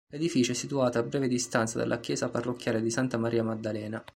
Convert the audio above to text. L'edificio è situato a breve distanza dalla chiesa parrocchiale di Santa Maria Maddalena.